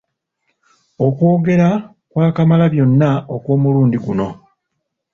Okwogera kwa Kamalabyonna okw'omulundi guno